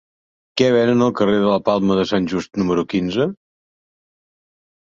Què venen al carrer de la Palma de Sant Just número quinze?